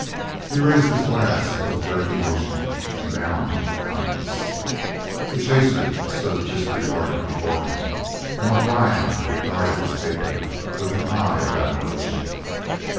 He raised his glass with a jerky motion and downed the contents; the chaser stood disregarded before him and O'Brien regarded his patron with an eye of admiration.